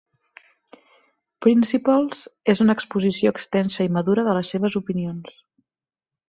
"Principles" és una exposició extensa i madura de les seves opinions.